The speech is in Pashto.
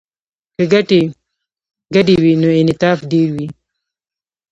که ګټې ګډې وي نو انعطاف ډیر وي